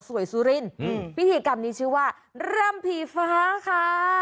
สุรินพิธีกรรมนี้ชื่อว่าร่ำผีฟ้าค่ะ